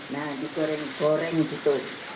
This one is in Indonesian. nah di goreng goreng gitu